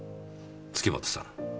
月本さん。